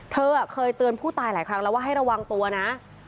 เธอเคยเตือนผู้ตายหลายครั้งแล้วว่าให้ระวังตัวนะ